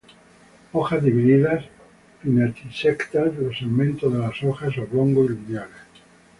Hojas divididas, pinnatisectas los segmentos de las hojas oblongo y lineales.